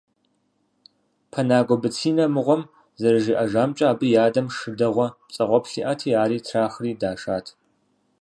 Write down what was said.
Пэнагуэ Быцинэ мыгъуэм зэрыжиӏэжамкӏэ, абы и адэм шы дэгъуэ пцӏэгъуэплъу иӏэти, ари трахри дашат.